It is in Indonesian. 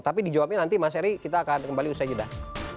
tapi dijawabnya nanti mas eri kita akan kembali usai jeda